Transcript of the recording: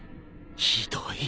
ひどい。